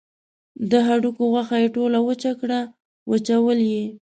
د هډوکو غوښه یې ټوله وچه کړه وچول یې.